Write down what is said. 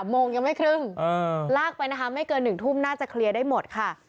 โมงยังไม่ครึ่งลากไปนะคะไม่เกิน๑ทุ่มน่าจะเคลียร์ได้หมดค่ะ